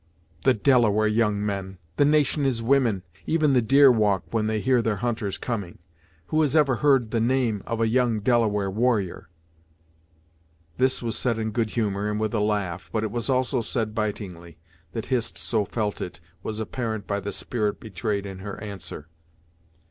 "The Delaware young men! the nation is women even the deer walk when they hear their hunters coming! Who has ever heard the name of a young Delaware warrior?" This was said in good humour, and with a laugh; but it was also said bitingly. That Hist so felt it, was apparent by the spirit betrayed in her answer.